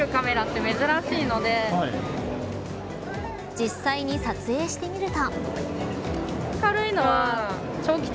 実際に撮影してみると。